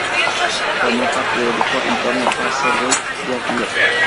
Formó parte del grupo en torno a Sergei Diaghilev.